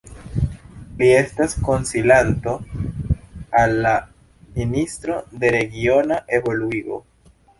Li estas konsilanto al la Ministro de Regiona Evoluigo.